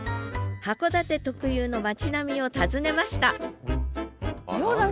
函館特有の町並みを訪ねました